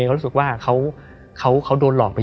เพื่อที่จะให้แก้วเนี่ยหลอกลวงเค